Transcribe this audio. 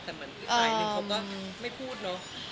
แต่เหมือนอีกอายหนึ่งเขาก็ไม่พูดเนอะ